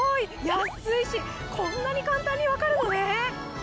安いしこんなに簡単に分かるのね！